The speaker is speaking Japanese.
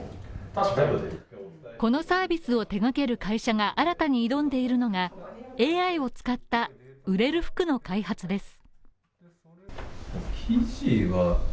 このサービスを手がける会社が新たに挑んでいるのがＡＩを使った売れる服の開発です。